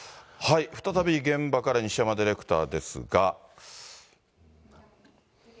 再び現場から西山ディレクターですが。